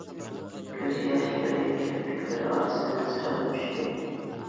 كۆز ياشلىرى كىرپىكلىرى ئارىسىدىن سىرغىپ چۈشتى.